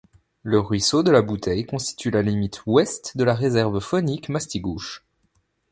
Le ruisseau de la Bouteille constitue la limite ouest de la réserve faunique Mastigouche.